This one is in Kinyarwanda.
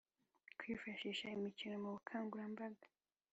Kwifashisha imikino mu bukangurambaga